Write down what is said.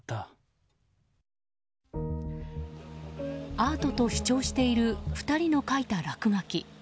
アートと主張している２人の書いた落書き。